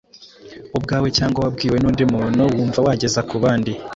ubwawe cyangwa wabwiwe n’undi muntu, wumva wageza ku bandi.